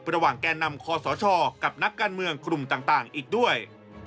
ระหว่างแก่นำคศกับนักการเมืองกลุ่มต่างอีกด้วย